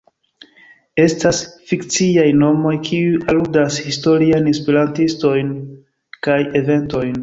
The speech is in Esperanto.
Estas fikciaj nomoj kiuj aludas historiajn Esperantistojn kaj eventojn.